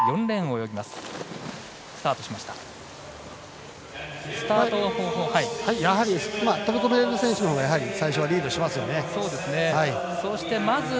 飛び込める選手のほうが最初はリードしますね。